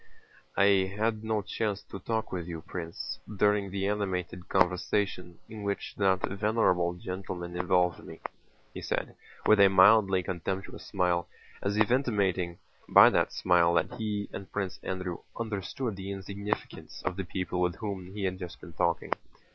"I had no chance to talk with you, Prince, during the animated conversation in which that venerable gentleman involved me," he said with a mildly contemptuous smile, as if intimating by that smile that he and Prince Andrew understood the insignificance of the people with whom he had just been talking.